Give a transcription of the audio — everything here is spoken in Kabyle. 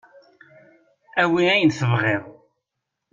Awi ayen tebɣiḍ.